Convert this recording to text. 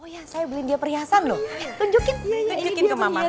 oh ya saya beliin dia perhiasan loh tunjukin tunjukin ke maman